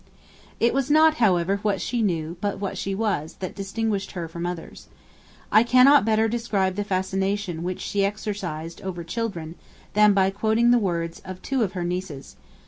It was not, however, what she knew, but what she was, that distinguished her from others. I cannot better describe the fascination which she exercised over children than by quoting the words of two of her nieces.